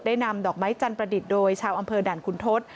นำดอกไม้จันทร์ประดิษฐ์โดยชาวอำเภอด่านคุณทศ